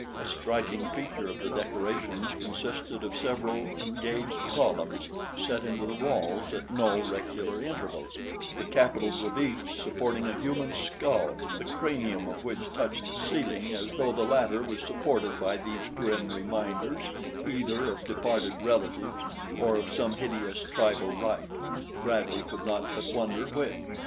A striking feature of the decorations consisted of several engaged columns set into the walls at no regular intervals, the capitals of each supporting a human skull the cranium of which touched the ceiling, as though the latter was supported by these grim reminders either of departed relatives or of some hideous tribal rite Bradley could not but wonder which.